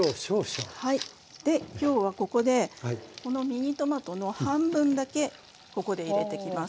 できょうはここでこのミニトマトの半分だけここで入れてきます。